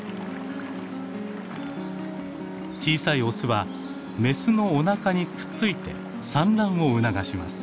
小さいオスはメスのおなかにくっついて産卵を促します。